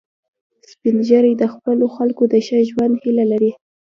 سپین ږیری د خپلو خلکو د ښه ژوند هیله لري